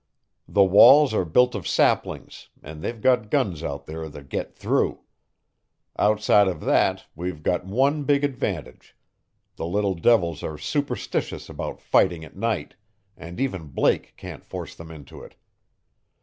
The walls are built of saplings and they've got guns out there that get through. Outside of that we've got one big advantage. The little devils are superstitious about fighting at night, and even Blake can't force them into it.